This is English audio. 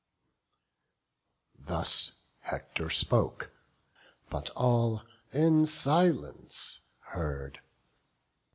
Thus Hector spoke; but all in silence heard.